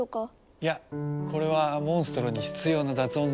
いやこれはモンストロに必要な雑音なんだ。